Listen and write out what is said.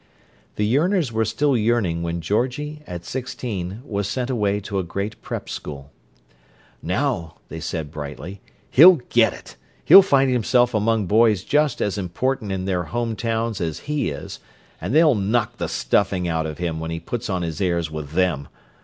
The yearners were still yearning when Georgie, at sixteen, was sent away to a great "Prep School." "Now," they said brightly, "he'll get it! He'll find himself among boys just as important in their home towns as he is, and they'll knock the stuffing out of him when he puts on his airs with them!